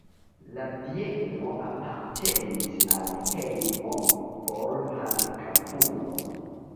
La bieno apartenis al hejmo por handikapuloj.